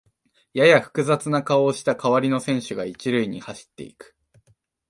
やや複雑な顔をした代わりの選手が一塁に走っていく